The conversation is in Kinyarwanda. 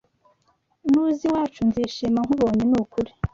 Nuza iwacu nzishima nkubonye nukuri